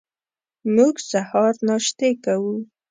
موږ سهار ناشتې کوو.